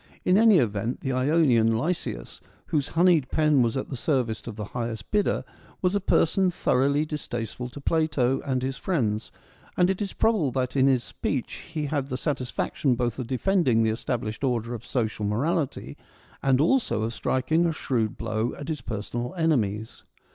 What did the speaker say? In any event, the Ionian Lysias, whose honeyed pen was at the service of the highest bidder, was a person thoroughly distasteful to Plato and his friends, and it is probable that in this speech he had the satisfaction both of defending the established order of social morality, and also of striking a shrewd blow at his personal enemies.